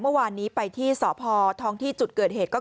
เมื่อวานนี้ไปที่สพท้องที่จุดเกิดเหตุก็คือ